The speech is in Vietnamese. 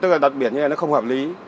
tức là đặt biển như này nó không hợp lý